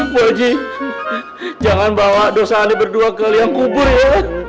purji jangan bawa dosa anda berdua ke liang kubur ya